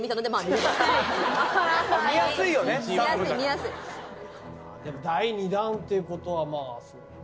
でも第二弾っていうことは。